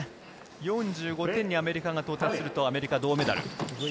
４５点にアメリカが到達するとアメリカ、銅メダル。